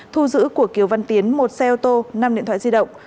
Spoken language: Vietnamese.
thu giữ của kiều văn tiến một xe ô tô năm điện thoại di động